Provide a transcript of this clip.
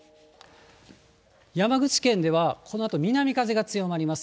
山口県ではこのあと南風が強まります。